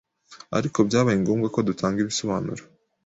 Ariko byabaye ngombwa ko dutanga ibisobanuro